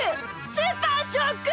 スーパーショック！